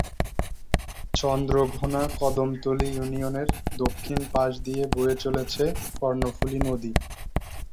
চন্দ্রঘোনা কদমতলী ইউনিয়নের দক্ষিণ পাশ দিয়ে বয়ে চলেছে কর্ণফুলী নদী।